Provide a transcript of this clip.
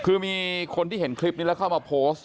คือมีคนที่เห็นคลิปนี้แล้วเข้ามาโพสต์